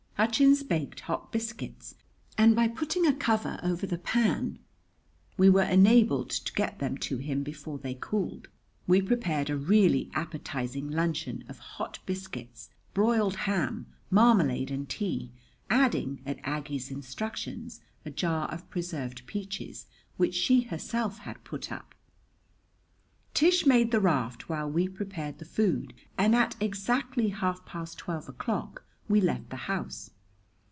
Hutchins baked hot biscuits; and, by putting a cover over the pan, we were enabled to get them to him before they cooled. We prepared a really appetizing luncheon of hot biscuits, broiled ham, marmalade, and tea, adding, at Aggie's instructions, a jar of preserved peaches, which she herself had put up. Tish made the raft while we prepared the food, and at exactly half past twelve o'clock we left the house.